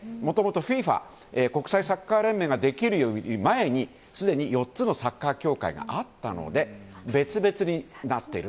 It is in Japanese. ＦＩＦＡ・国際サッカー連盟ができるより前にすでに４つのサッカー協会があったので別々になっている。